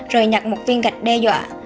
rồi nhặt một viên gạch đe dọa